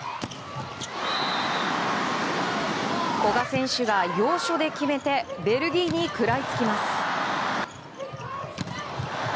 古賀選手が要所で決めてベルギーに食らいつきます。